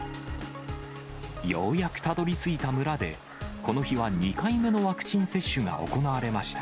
ようやくたどりついた村で、この日は２回目のワクチン接種が行われました。